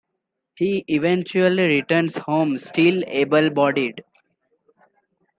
He eventually returns home, still able-bodied.